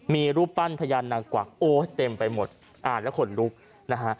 มีรูปปั้นพญานาคโอ้ยเต็มไปหมดอ่านแล้วขนลุกนะฮะ